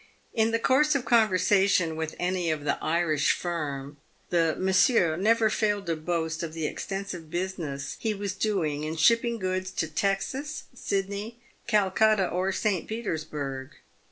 In the course of conversation with any of the Irish firm, the Monsieur never failed to boast of the extensive business he was doing in shipping goods to Texas, Sydney, Calcutta, or St. Peters burg.